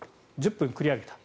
１０分繰り上げた。